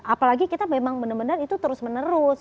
apalagi kita memang benar benar itu terus menerus